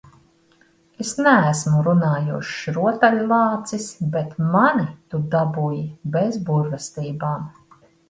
Es neesmu runājošs rotaļlācis, bet mani tu dabūji bez burvestībām.